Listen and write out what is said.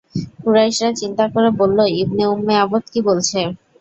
কুরাইশরা চিন্তা করে বলল, ইবনে উম্মে আবদ কি বলছে?